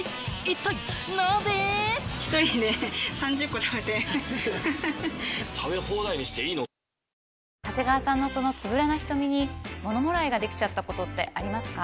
こうした中、今回、波紋が広長谷川さんのそのつぶらな瞳にものもらいができちゃったことってありますか？